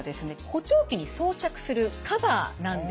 補聴器に装着するカバーなんです。